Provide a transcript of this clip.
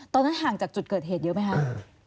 ตอนนั้นห่างจากจุดเกิดเหตุเยอะไหมคะ